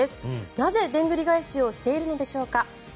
なぜ、でんぐり返しをしているのでしょうか。